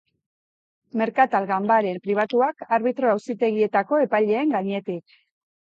Merkatal ganbaren pribatuak arbitro auzitegietako epaileen gainetik.